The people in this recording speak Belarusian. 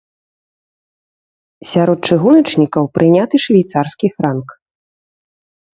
Сярод чыгуначнікаў прыняты швейцарскі франк.